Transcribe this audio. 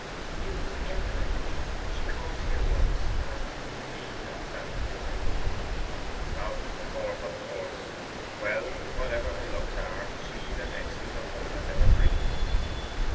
'You forget that I know her. She called here once, after we had been, and found her away from home.' 'Of course, of course. Well, whatever her looks are, she's as excellent a woman as ever breathed.